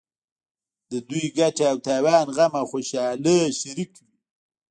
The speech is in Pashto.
د دوی ګټه او تاوان غم او خوشحالي شریک وي.